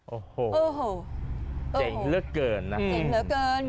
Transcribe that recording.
โอ้โหเจ๋งเหลือเกินนะเจ๋งเหลือเกิน